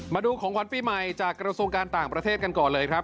มาดูของขวัญปีใหม่จากกระทรวงการต่างประเทศกันก่อนเลยครับ